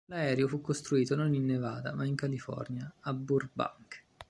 L'aereo fu costruito non in Nevada, ma in California, a Burbank.